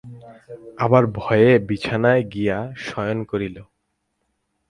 আবার ভয়ে ভয়ে বিছানায় গিয়া শয়ন করিল।